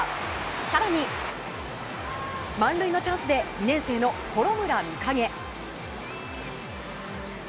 更に、満塁のチャンスで２年生の幌村魅影。